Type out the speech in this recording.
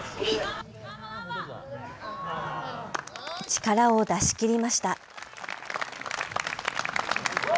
力を出し切りました。